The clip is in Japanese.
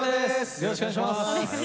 よろしくお願いします。